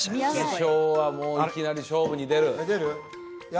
師匠はもういきなり勝負に出るいや